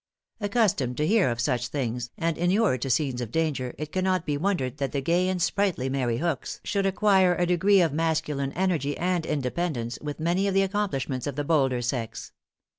Accustomed to hear of such things, and inured to scenes of danger, it cannot be wondered, that the gay and sprightly Mary Hooks should acquire a degree of masculine energy and independence, with many of the accomplishments of the bolder sex.